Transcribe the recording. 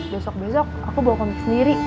besok besok aku bawa kontak sendiri